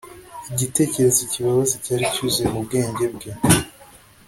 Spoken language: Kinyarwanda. Igitekerezo kibabaza cyari cyuzuye mu bwenge bwe